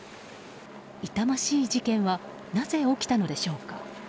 痛ましい事件はなぜ起きたのでしょうか。